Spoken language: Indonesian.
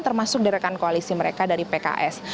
termasuk di rekan koalisi mereka dari pks